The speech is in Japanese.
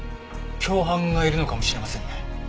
共犯がいるのかもしれませんね。